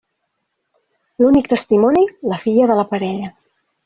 L'únic testimoni, la filla de la parella.